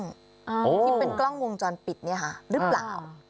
ที่เป็นกล้องวงจรปิดเนี่ยค่ะหรือเปล่า